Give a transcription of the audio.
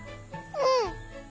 うん！